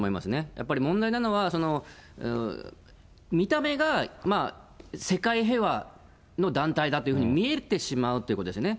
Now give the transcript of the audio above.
やっぱり問題なのは、見た目が世界平和の団体だというふうに見えてしまうということですね。